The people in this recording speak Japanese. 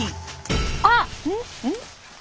あっ！